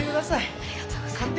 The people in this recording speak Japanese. ありがとうございます。